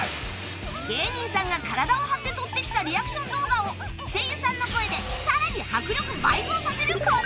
芸人さんが体を張って撮ってきたリアクション動画を声優さんの声で更に迫力倍増させるこの企画